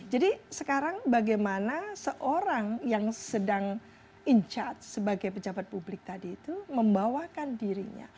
jadi sekarang bagaimana seorang yang sedang in charge sebagai pejabat publik tadi itu membawakan dirinya